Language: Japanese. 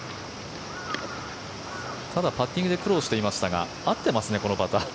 ただ、パッティングで苦労していましたが合ってますね、このパター。